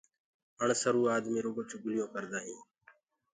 اَڻسروُ آدمي رُگو چُگليونٚ ڪردآ هينٚ۔